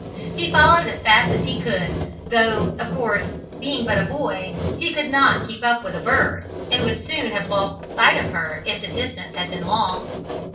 He followed as fast as he could, though of course, being but a boy, he could not keep up with a bird, and would soon have lost sight of her if the distance had been long.